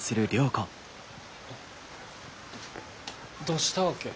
どうしたわけ？